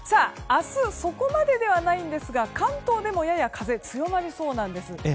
明日、そこまでではないんですが関東でもやや風が強まりそうなんです。